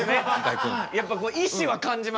やっぱ意志は感じました。